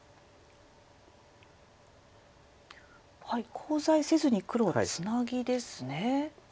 コウ材せずに黒はツナギですね。